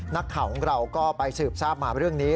นักข่าวของเราก็ไปสืบทราบมาเรื่องนี้